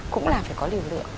cũng là phải có liều lượng